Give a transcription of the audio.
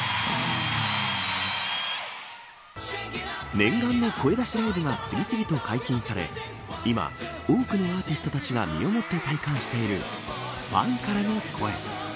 念願の声出しライブが次々と解禁され今、多くのアーティストたちが身をもって体感しているファンからの声。